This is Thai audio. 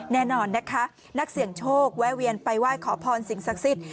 แน่นอนนะคะนักเสี่ยงโชคแวะเวียนไปไหว้ขอพรสิ่งศักดิ์สิทธิ